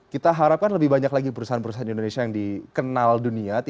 kita harapkan lebih banyak lagi perusahaan perusahaan indonesia yang dikenal dunia